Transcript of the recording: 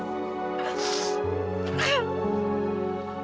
aku emang kecewa banget